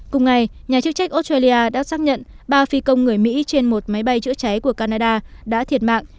cùng ngày nhà chức trách australia đã xác nhận ba phi công người mỹ trên một máy bay chữa cháy của canada đã thiệt mạng